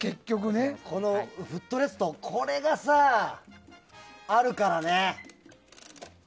フットレスト、これがあるから。